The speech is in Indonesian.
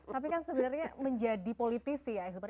tapi kan sebenarnya menjadi politisi ya ahilman